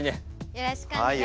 よろしくお願いします。